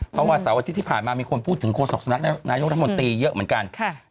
เพราะว่าเสาร์อาทิตย์ที่ผ่านมามีคนพูดถึงโฆษกสำนักนายกรัฐมนตรีเยอะเหมือนกัน